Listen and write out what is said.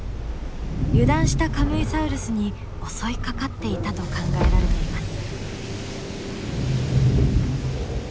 油断したカムイサウルスに襲いかかっていたと考えられています。